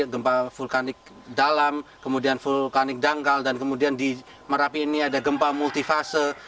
gempa vulkanik dalam kemudian vulkanik dangkal dan kemudian di merapi ini ada gempa multifase